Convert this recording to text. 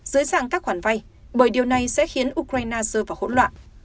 dưới dạng các khoản vay bởi điều này sẽ khiến ukraine rơi vào hỗn loạn